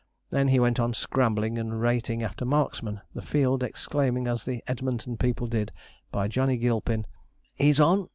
Then he went on scrambling and rating after Marksman, the field exclaiming, as the Edmonton people did, by Johnny Gilpin: He's on!